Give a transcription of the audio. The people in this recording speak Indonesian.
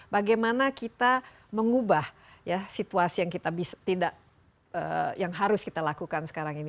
bagaimana kita mengubah situasi yang harus kita lakukan sekarang ini